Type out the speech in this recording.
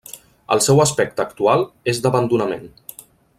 El seu aspecte actual és d'abandonament.